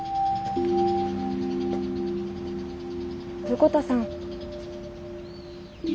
横田さん。